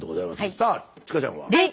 さあ千佳ちゃんは？